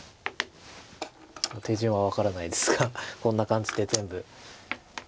手順は分からないですがこんな感じで全部。